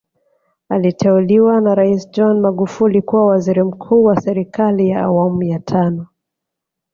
Aliteuliwa na Rais John Magufuli kuwa waziri mkuu wa serikali ya awamu ya tano